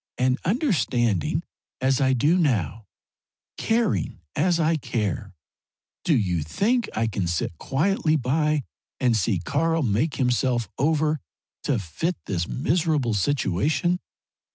And understanding as I do now caring as I care do you think I can sit quietly by and see Karl make himself over to fit this miserable situation?